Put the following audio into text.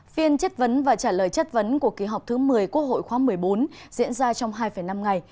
phiên chất vấn và trả lời chất vấn của kỳ họp thứ một mươi quốc hội khóa một mươi bốn diễn ra trong hai năm ngày